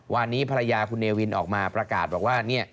วันนี้ภรรยาคุณเนวินออกมาประกาศบอกว่า